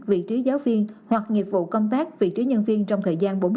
vị trí giáo viên hoặc nghiệp vụ công tác vị trí nhân viên trong thời gian bốn mươi